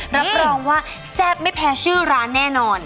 รับรองว่าแซ่บไม่แพ้ชื่อร้านแน่นอน